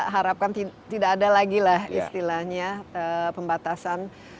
harapkan tidak ada lagi lah istilahnya pembatasan